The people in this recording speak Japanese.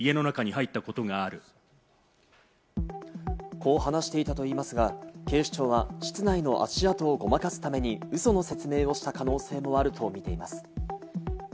こう話していたといいますが、警視庁は室内の足跡をごまかすためにウソの説明をした可能性もあるとみています。